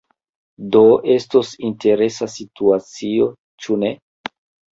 Do, estos interesa situacio, ĉu ne?